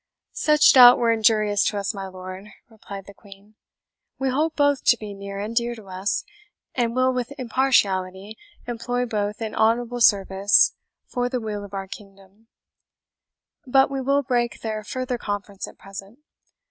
"Such doubt were injurious to us, my lord," replied the Queen. "We hold both to be near and dear to us, and will with impartiality employ both in honourable service for the weal of our kingdom. But we will break their further conference at present.